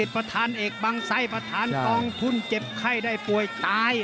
ประธานเอกบังไส้ประธานกองทุนเจ็บไข้ได้ป่วยตาย